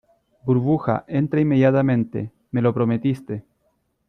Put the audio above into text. burbuja, entra inmediatamente. me lo prometiste .